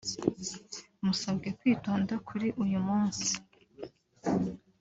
musabwe kwitonda kuri uyu munsi